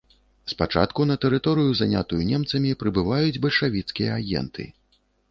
Спачатку на тэрыторыю, занятую немцамі, прыбываюць бальшавіцкія агенты.